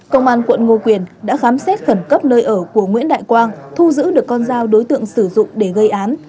công an quận ngô quyền đã khám xét khẩn cấp nơi ở của nguyễn đại quang thu giữ được con dao đối tượng sử dụng để gây án